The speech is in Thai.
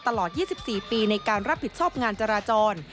ตลอด๒๔ปีในการรับผิดชอบงานจราจร